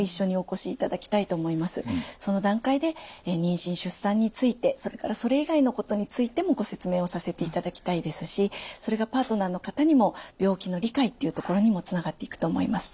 その段階で妊娠・出産についてそれからそれ以外のことについてもご説明をさせていただきたいですしそれがパートナーの方にも病気の理解っていうところにもつながっていくと思います。